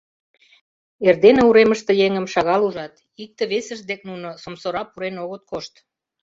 Эрдене уремыште еҥым шагал ужат, икте-весышт дек нуно сомсора пурен огыт кошт.